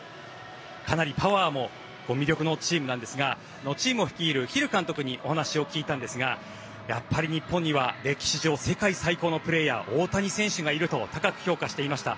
かなりパワーも魅力のチームなんですがチームを率いるヒル監督にお話を聞いたんですがやっぱり日本には歴史上、世界最高のプレーヤー大谷選手がいると高く評価していました。